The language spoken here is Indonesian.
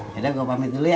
yaudah gua pamit dulu ya